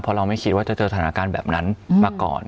เพราะเราไม่คิดว่าจะเจอสถานการณ์แบบนั้นมาก่อน